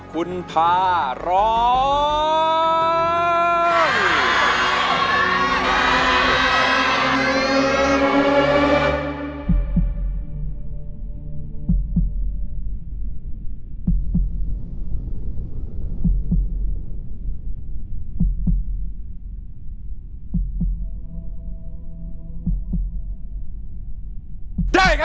คุณพาร้อง